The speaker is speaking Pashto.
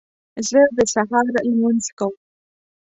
زه د سهار لمونځ کوم